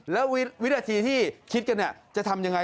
แล้ววิธีที่คิดกันจะทำอย่างไร